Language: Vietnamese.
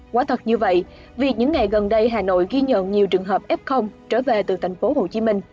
quá thật như vậy việc những ngày gần đây hà nội ghi nhận nhiều trường hợp f trở về từ thành phố hồ chí minh